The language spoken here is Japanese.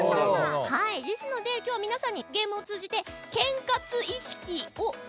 ですので今日は皆さんにゲームを通じて。